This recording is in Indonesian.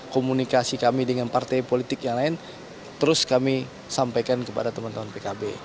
komunikasi kami dengan partai politik yang lain terus kami sampaikan kepada teman teman pkb